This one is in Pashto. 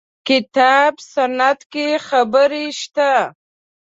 کتاب سنت کې خبرې شته.